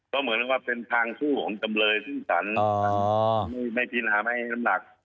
ก็เหมือนว่าเป็นทางสู้ของจำเลยซึ่งสารไม่พินาไม่ให้น้ำหนัก